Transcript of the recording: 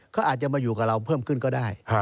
ก็อาจจะมาอยู่กับเราเพิ่มขึ้นก็ได้